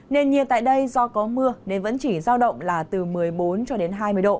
nền nhiệt tại đây do có mưa nên vẫn chỉ giao động là từ một mươi bốn cho đến hai mươi độ